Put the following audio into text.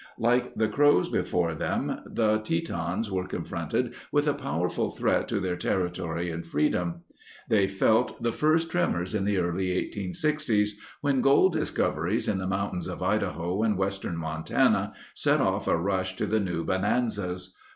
Like the Crows before them, the Tetons were confronted with a powerful threat to their territory and freedom. They felt the first trem ors in the early 1860s, when gold discoveries in the mountains of Idaho and western Montana set off a rush to the new bonanzas.